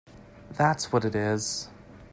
That’s what it is!